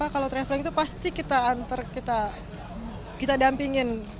kalau traveling tuh pasti kita anter kita dampingin